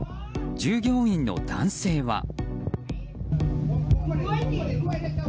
従業員の男性は。